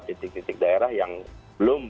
titik titik daerah yang belum